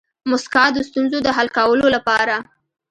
موسکا د ستونزو د حل کولو لپاره